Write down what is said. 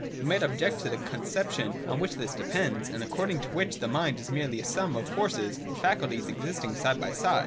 We might object to the con ception on which this depends, and according to which the mind is merely a sum of forces or faculties existing side by side.